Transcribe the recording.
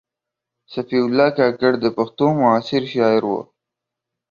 صفي الله کاکړ د پښتو معاصر شاعر و.